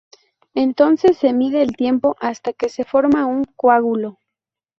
Entonces se mide el tiempo hasta que se forma un coágulo.